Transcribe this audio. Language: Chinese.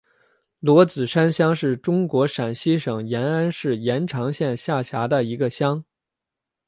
罗子山乡是中国陕西省延安市延长县下辖的一个乡。